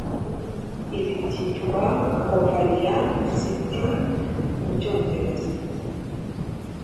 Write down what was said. Ibi byitwa ovarian cyst mu cyongereza